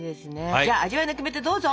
じゃあ味わいのキメテどうぞ！